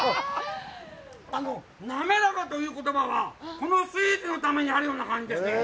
滑らかという言葉は、このスイーツのためにあるような感じですね。